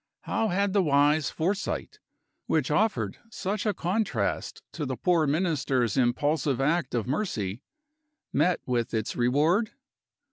How had the wise foresight, which offered such a contrast to the poor Minister's impulsive act of mercy, met with its reward?